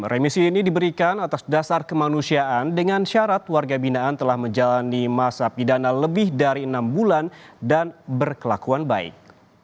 remisi ini diberikan atas dasar kemanusiaan dengan syarat warga binaan telah menjalani masa pidana lebih dari enam bulan dan berkelakuan baik